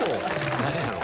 何やろ？